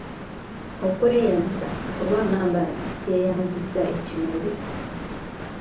Okweyanza oba gamba nti yeeyanzizza ekimere.